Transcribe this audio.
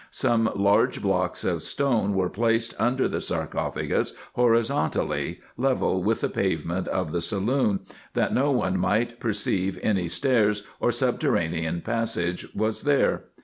Some large blocks of stone were placed under the sar cophagus horizontally, level with the pavement of the saloon, that no one might perceive any stairs or subterranean passage was there.